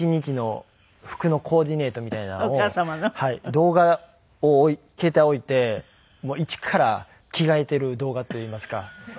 動画を携帯を置いて一から着替えている動画といいますか。